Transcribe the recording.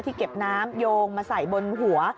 เก็บน้ำโยงมาใส่บนหัว